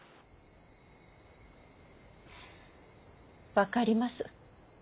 分かります。